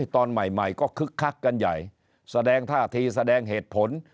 ตอนใหม่ก็คึกคักกันใหญ่แสดงท่าทีแสดงเหตุผล